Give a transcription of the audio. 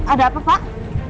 ada apa pak